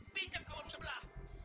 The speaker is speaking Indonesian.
pinjam ke warung sebelah